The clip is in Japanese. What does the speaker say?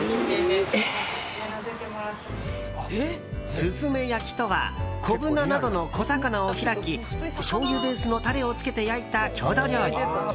すずめ焼とは小鮒などの小魚を開きしょうゆベースのタレをつけて焼いた郷土料理。